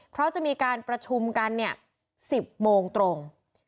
เพราะจะมีการประชุมกัน๑๐โมงตรง